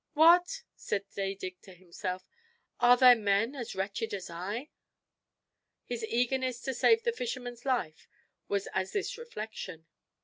"What!" said Zadig to himself, "are there men as wretched as I?" His eagerness to save the fisherman's life was as this reflection.